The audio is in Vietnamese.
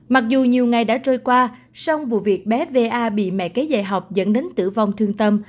mặc dù nhiều ngày đã trôi qua song vụ việc bé va bị mẹ kế dạy học dẫn đến tử vong thương tâm